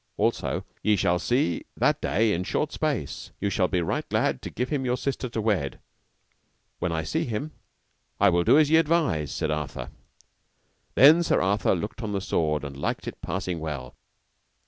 Also ye shall see that day in short space, you shall be right glad to give him your sister to wed. When I see him, I will do as ye advise, said Arthur. Then Sir Arthur looked on the sword, and liked it passing well.